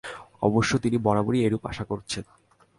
অবশ্য তিনি বরাবরই এরূপ আশা করছেন।